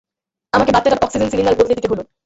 আমাকে বাচ্চাটার oxygen cylinder বদলে দিতে হল।